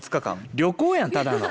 旅行やんただの。